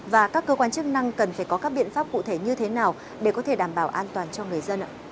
và các cơ quan chức năng cần phải có các biện pháp cụ thể như thế nào để có thể đảm bảo an toàn cho người dân ạ